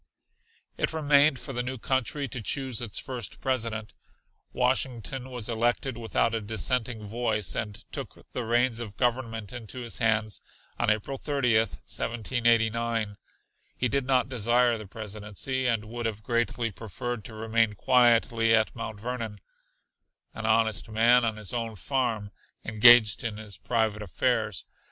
It remained for the new country to choose its first President. Washington was elected without a dissenting voice, and took the reins of government into his hands on April 30, 1789. He did not desire the Presidency, and would have greatly preferred to remain quietly at Mount Vernon, "an honest man on his own farm," engaged in his private affairs.